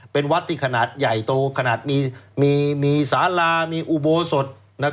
เป็นวัดที่ขนาดใหญ่โตขนาดมีสารามีอุโบสถ